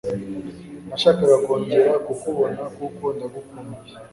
Nashakaga kongera kukubona kuko ndagukumbuye.